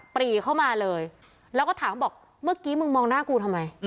ปรีเข้ามาเลยแล้วก็ถามบอกเมื่อกี้มึงมองหน้ากูทำไม